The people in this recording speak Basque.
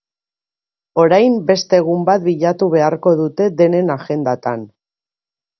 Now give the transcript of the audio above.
Orain beste egun bat bilatu beharko dute denen agendatan.